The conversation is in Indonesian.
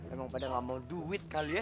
emang pada gak mau duit kali ya